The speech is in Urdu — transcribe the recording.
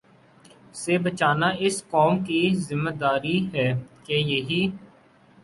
سے بچانا اس قوم کی ذمہ داری ہے کہ یہی